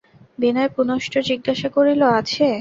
বিনয় পুনশ্চ জিজ্ঞাসা করিল, আছে?